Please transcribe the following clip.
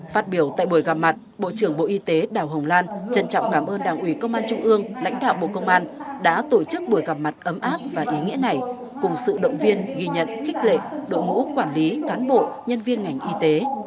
phát biểu tại buổi gặp mặt bộ trưởng bộ y tế đào hồng lan trân trọng cảm ơn đảng ủy công an trung ương lãnh đạo bộ công an đã tổ chức buổi gặp mặt ấm áp và ý nghĩa này cùng sự động viên ghi nhận khích lệ đội ngũ quản lý cán bộ nhân viên ngành y tế